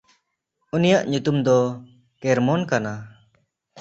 ᱩᱱᱤᱭᱟᱜ ᱧᱩᱛᱩᱢ ᱫᱚ ᱠᱮᱨᱢᱚᱱ ᱠᱟᱱᱟ᱾